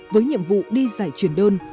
với nhiệm vụ đi giải truyền đơn